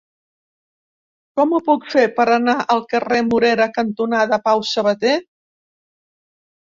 Com ho puc fer per anar al carrer Morera cantonada Pau Sabater?